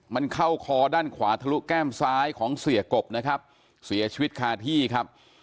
มันเข้าคอด้านขวาทะลุแก้มซ้ายของเสียกบนะครับเสียชีวิตคาที่ครับ